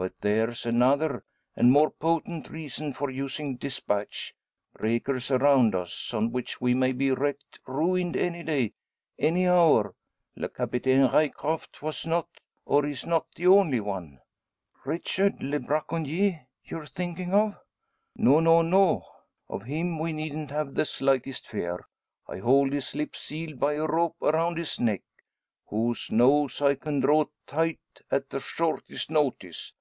But there's another, and more potent reason, for using despatch; breakers around us, on which we may be wrecked, ruined any day any hour. Le Capitaine Ryecroft was not, or is not, the only one." "Richard le braconnier you're thinking of?" "No, no, no! Of him we needn't have the slightest fear. I hold his lips sealed, by a rope around his neck; whose noose I can draw tight at the shortest notice.